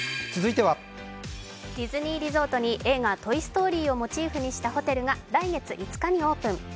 ディズニーリゾートに映画「トイ・ストーリー」をモチーフにしたホテルが来月５日にオープン。